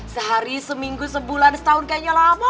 sehari seminggu sebulan setahun kayaknya lama